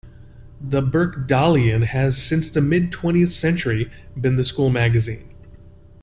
"The Birkdalian" has, since the mid-twentieth century, been the school magazine.